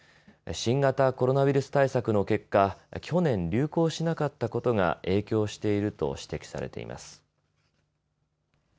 新型コロナウイルス対策の結果、去年、流行しなかったことが影響していると指摘されています。